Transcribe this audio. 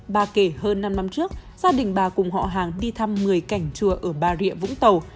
bà kể hơn năm năm trước gia đình bà cùng họ hàng đi thăm một mươi cảnh chùa ở ba rịa vũng tàu